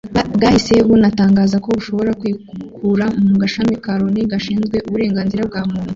bwahise bunatangaza ko bushobora kwikura mu gashami ka Loni gashinzwe uburenganzira bwa muntu